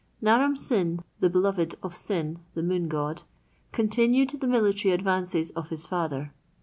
Naram Sin—the beloved of Sin, the Moon God—continued the military advances of his father.